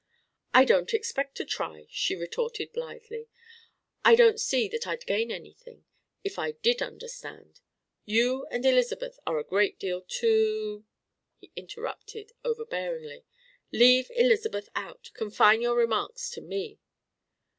"I don't expect to try!" she retorted blithely. "I don't see that I'd gain anything, if I did understand. You and Elizabeth are a great deal too " He interrupted overbearingly: "Leave Elizabeth out! Confine your remarks to me!"